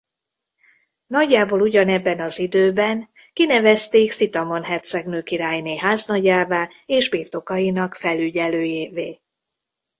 Nagyjából ugyanebben az időben kinevezték Szitamon hercegnő-királyné háznagyává és birtokainak felügyelőjévé.